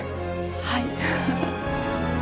はい。